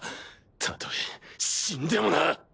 たとえ死んでもな！